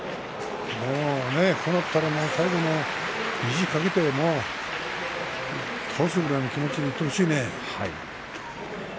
こうなったらね最後に意地かけて倒すぐらいの気持ちでいってほしいね。